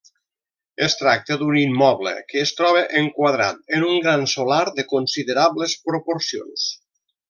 Es tracta d'un immoble que es troba enquadrat en un gran solar de considerables proporcions.